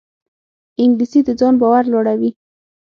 انګلیسي د ځان باور لوړوي